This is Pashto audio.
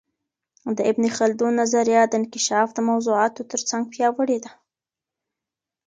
د ابن خلدون نظریه د انکشاف د موضوعاتو ترڅنګ پياوړې ده.